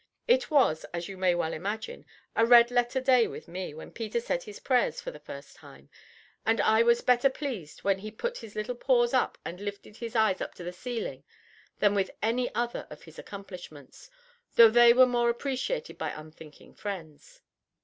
It was, as you may well imagine, a red letter day with me when Peter said his prayers for the first time; and I was better pleased when he put his little paws up and lifted his eyes up to the ceiling than with any other of his accomplishments, though they were more appreciated by unthinking friends.